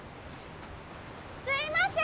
すいません！